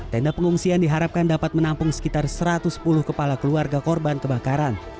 tenda pengungsian diharapkan dapat menampung sekitar satu ratus sepuluh kepala keluarga korban kebakaran